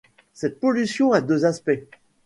Cette pollution a deux aspects.